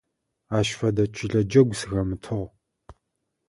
Ащ фэдэ чылэ джэгу сыхэмытыгъ.